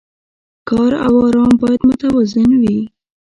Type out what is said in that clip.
کار او ارام باید متوازن وي.